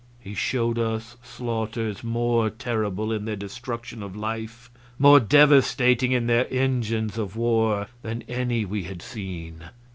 He showed us slaughters more terrible in their destruction of life, more devastating in their engines of war, than any we had seen.